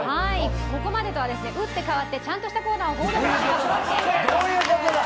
ここまでとは打って変わってちゃんとしたコーナーを報道局からお届けします。